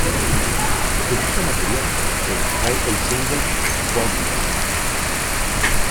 De dicho material, se extrae el single "Vortex".